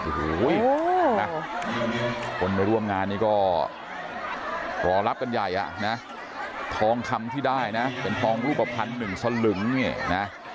โหคนมาร่วมงานก็รอลับกันใหญ่นะทองคำที่ได้นะเป็นทองรูปพันธุ์๑๐๐๐ลึงนะ